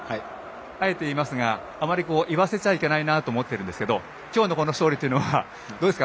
あえて言いますがあまり言わせちゃいけないなと思っているんですけど今日の勝利はどうですか？